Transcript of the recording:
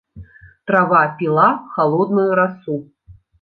Трава піла халодную расу.